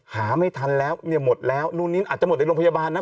หาไม่ทันแล้วเนี่ยหมดแล้วนู่นอาจจะหมดในโรงพยาบาลนะ